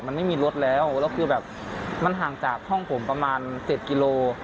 มันไม่มีรถแล้วมันห่างจากห้องผมประมาณเจ็ดกิโล